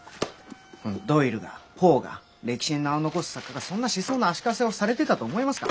ドイルがポーが歴史に名を残す作家がそんな思想の足かせをされてたと思いますか？